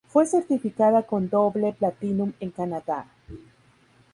Fue Certificada con Double Platinum en Canadá.